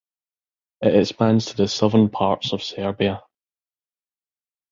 It expands to the southern parts of Serbia.